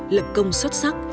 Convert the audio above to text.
lập công xuất sắc